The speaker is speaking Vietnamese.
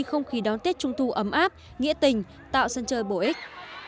không khí đón tết trung thu ấm áp nghĩa tình tạo sân chơi bổ ích